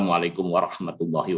belum nyambung beliau